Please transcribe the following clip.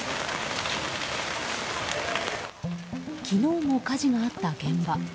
昨日も火事があった現場。